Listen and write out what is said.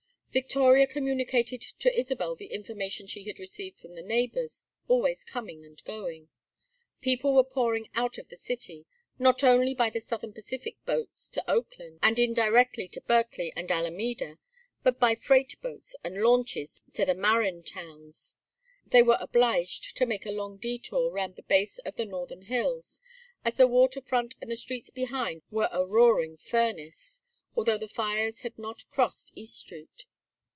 Victoria communicated to Isabel the information she had received from the neighbors, always coming and going. People were pouring out of the city, not only by the Southern Pacific boats to Oakland, and indirectly to Berkeley and Alameda, but by freight boats and launches to the Marin towns. They were obliged to make a long detour round the base of the northern hills, as the water front and the streets behind were a roaring furnace, although the fires had not crossed East Street.